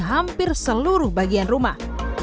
hampir seluruh bagian rumah